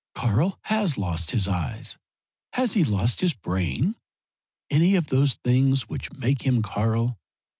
"Karl has lost his eyes. Has he lost his brain any of those things which make him Karl?